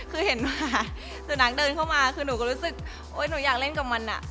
คือเห็นว่าสุนัขเดินเข้ามาคือหนูก็รู้สึกโอ๊ยหนูอยากเล่นกับมันอ่ะ